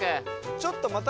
ちょっとまた。